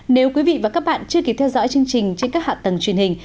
nếu quý vị và các bạn chưa kịp theo dõi chương trình trên các hạ tầng truyền hình